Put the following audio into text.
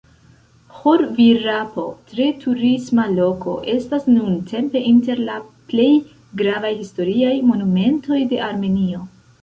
Ĥor-Virapo, tre turisma loko, estas nuntempe inter la plej gravaj historiaj monumentoj de Armenio.